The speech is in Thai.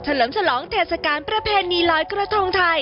เลิมฉลองเทศกาลประเพณีลอยกระทงไทย